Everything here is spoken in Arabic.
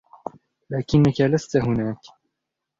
لكنك لست هناك.